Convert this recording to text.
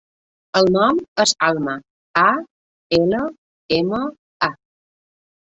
El nom és Alma: a, ela, ema, a.